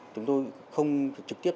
chúng tôi không trực tiếp